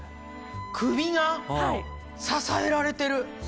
首が支えられてる。